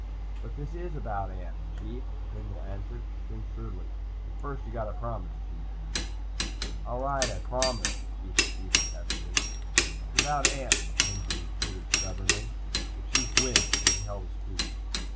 "But this is about ants, Chief," Pringle answered. Then shrewdly, "But first you gotta promise, Chief." "All right, I promise," the Chief acceded testily. "It's about ants," Kenzie repeated stubbornly. The Chief winced, but he held his peace.